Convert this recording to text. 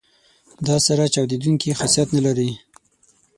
دا سره چاودیدونکي خاصیت نه لري.